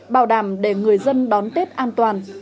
bảo đảm để người dân đón tết an toàn